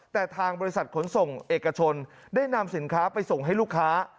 แต่ทางบริษัทขนส่งเอกชนได้นำสินค้าไปส่งให้ลูกค้า